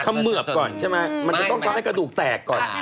เขมือบก่อนใช่ไหมมันจะต้องทำให้กระดูกแตกก่อน